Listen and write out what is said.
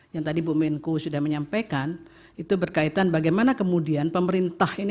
yang tadi bu menko sudah menyampaikan itu berkaitan bagaimana kemudian pemerintah ini